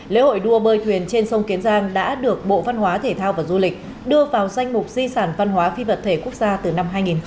lễ hội đua bơi thuyền trên sông kiến giang đã được bộ văn hóa thể thao và du lịch đưa vào danh mục di sản văn hóa phi vật thể quốc gia từ năm hai nghìn một mươi